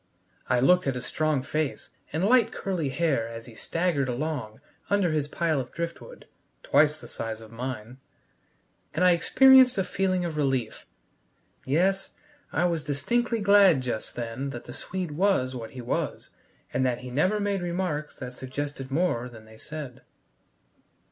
I looked at his strong face and light curly hair as he staggered along under his pile of driftwood (twice the size of mine!), and I experienced a feeling of relief. Yes, I was distinctly glad just then that the Swede was what he was, and that he never made remarks that suggested more than they said.